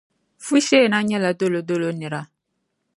Fusheina nyɛla Dolodolo nira.